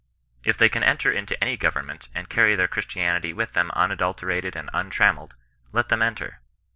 If they can enter into any govemment and cany their Christianity with them un adulterated and untrammelled, let them enter.